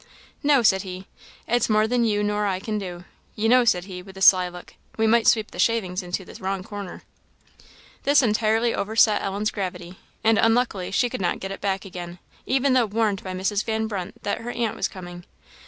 "No," said he; "it's more than you nor I can do. You know," said he, with a sly look, "we might sweep up the shavings into the wrong corner!" This entirely overset Ellen's gravity, and unluckily she could not get it back again, even though warned by Mrs. Van Brunt that her aunt was coming.